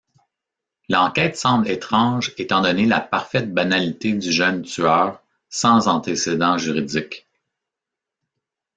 L'enquête semble étrange étant donné la parfaite banalité du jeune tueur, sans antécédents juridiques.